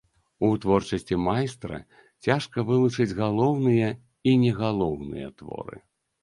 У творчасці майстра цяжка вылучыць галоўныя і не галоўныя творы.